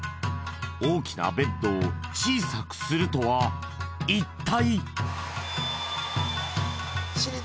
大きなベッドを小さくするとは一体？